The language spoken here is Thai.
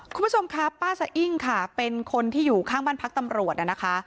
คุณผู้ชมครับป้าสะอิ้งค่ะเป็นคนที่อยู่ข้างบ้านพักตำรวจนะคะ